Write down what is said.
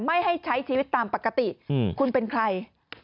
ไม่ให้ใช้ชีวิตตามปกติคุณเป็นใคร